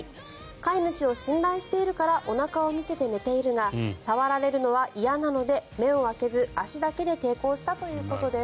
飼い主を信頼しているからおなかを見せて寝ているが触られるのは嫌なので目を開けず足だけで抵抗したということです。